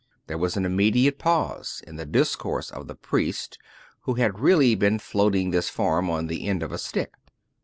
There was an immediate pause in the discourse of the priest/' who had really been floating this form on the end of a stick.